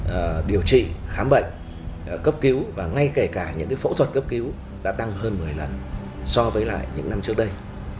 cái tỷ lệ số lượng ngư dân đến điều trị khám bệnh cấp cứu và ngay kể cả những cái phẫu thuật cấp cứu đã tăng hơn một mươi lần so với lại những năm trước đây